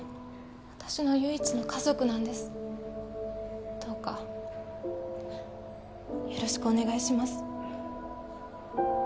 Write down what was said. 私の唯一の家族なんですどうかよろしくお願いします